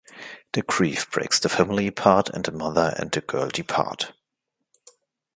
The grief breaks the family apart and the mother and the girl depart.